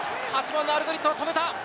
８番のアルドリットを止めた。